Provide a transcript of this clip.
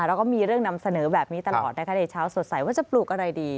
แล้วก็มีเรื่องนำเสนอแบบนี้ตลอดนะคะในเช้าสดใสว่าจะปลูกอะไรดี